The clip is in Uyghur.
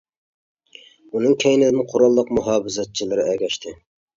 ئۇنىڭ كەينىدىن قوراللىق مۇھاپىزەتچىلىرى ئەگەشتى.